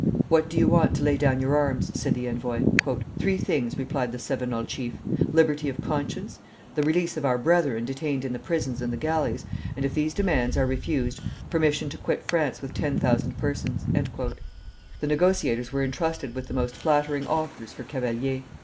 "What do you want to lay down your arms?" said the envoy. "Three things," replied the Cevenol chief: "liberty of conscience, the release of our brethren detained in the prisons and the galleys, and if these demands are refused, permission to quit France with ten thousand persons." The negotiators were intrusted with the most flattering offers for Cavalier.